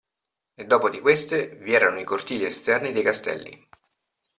E dopo di queste, vi erano i cortili esterni dei castelli.